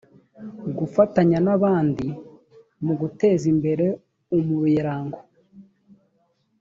gufatanya n’ abandi mu guteza imbere umuyrango